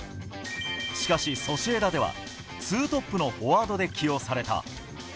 しかし、ソシエダでは２トップのフォワードで起用された。